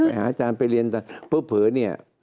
ไปหาอาจารย์ไปเรียนตามเผอนี่